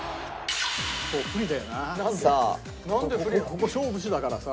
ここ勝負師だからさ